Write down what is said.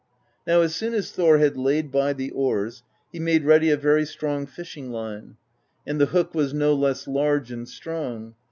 Now as soon as Thor had laid by the oars, he made ready a very strong fishing line, and the hook was no less large and strong.